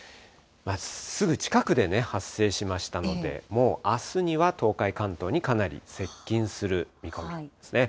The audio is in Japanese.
すぐ近くで発生しましたので、もうあすには東海、関東にかなり接近する見込みですね。